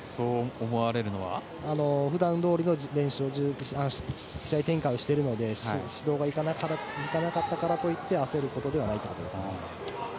普段どおりの練習のように試合展開をしているので指導が行かなかったからといって焦ることではないということです。